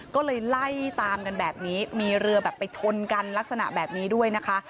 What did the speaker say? ก็เลยไล่ตามกันแบบนี้มีเรือแบบไปชนกันลักษณะแบบนี้ด้วยนะคะ